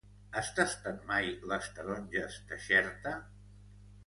Has tastat mai les taronges de Xerta?